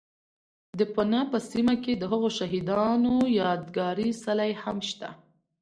، د پنه په سیمه کې دهغو شهید انو یاد گاري څلی هم شته